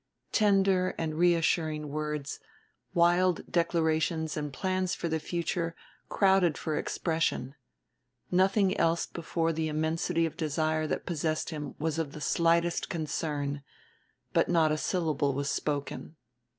Tender and reassuring words, wild declarations and plans for the future, crowded for expression; nothing else before the immensity of desire that possessed him was of the slightest concern; but not a syllable was spoken.